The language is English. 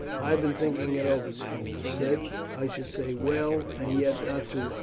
"I have been thinking it over," Scopus said. "I should say well, and yet not too well.